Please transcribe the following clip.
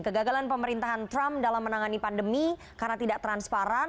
kegagalan pemerintahan trump dalam menangani pandemi karena tidak transparan